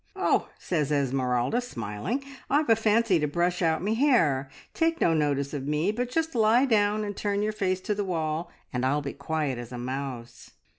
`Oh,' says Esmeralda, smiling, `I've a fancy to brush out me hair. Take no notice of me, but just lie down and turn your face to the wall, and I'll be as quiet as a mouse.'